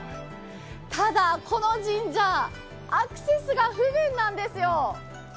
ただ、この神社アクセスが不便なんですよ。